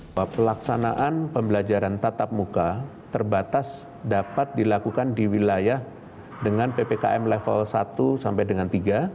pelaksanaan pembelajaran tatap muka terbatas dapat dilakukan di wilayah dengan ppkm level satu sampai dengan tiga